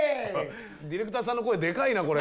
ディレクターさんの声でかいなこれ。